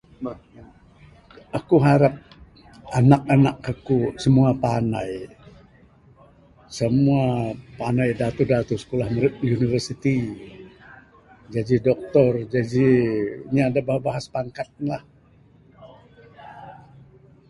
Akuk harap anak anak akuk semua pandai. Semua pandai datuh datuh sikulah merut universiti. Jaji doktor, jadi inya da bahas bahas pangkat lah.